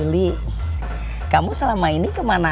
lili kamu selama ini kemana